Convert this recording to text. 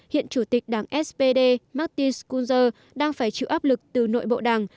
hiện chủ tịch đảng spd martin skunzer đang phải chịu áp lực từ nội bộ đảng